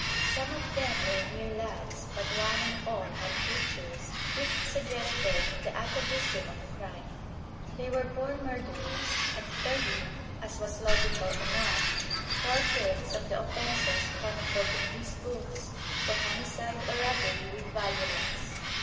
Some of them were mere lads, but one and all had features which suggested the atavism of crime. They were born murderers. And thirdly, as was logical enough, four fifths of the offences chronicled in these books were homicide or robbery with violence.